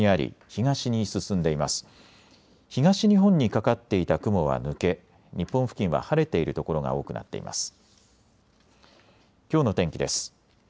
東日本にかかっていた雲は抜け日本付近は晴れている所が多くなっています。